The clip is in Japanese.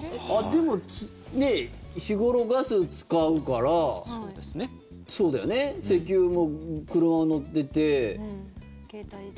でも日頃、ガスを使うから石油も車乗ってて携帯。